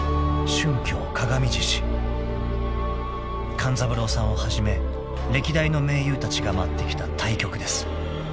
［勘三郎さんをはじめ歴代の名優たちが舞ってきた大曲です］